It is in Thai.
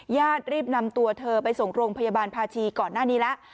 ญาติรีบนำตัวเธอไปส่งโรงพยาบาลภาชีก่อนหน้านี้แล้ว